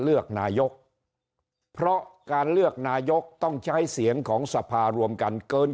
เลือกนายกเพราะการเลือกนายกต้องใช้เสียงของสภารวมกันเกิน